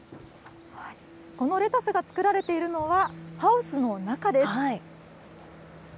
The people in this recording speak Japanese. このレタスが作られているのは、ハウスの中です。